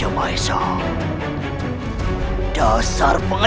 lebih berani memandu kembali